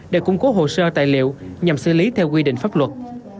để củng cố hồ sơ tài liệu nhằm xử lý theo quy định pháp luật